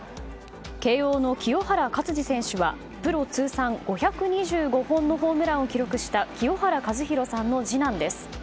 慶應の清原勝児選手はプロ通算５２５本のホームランを記録した清原和博さんの次男です。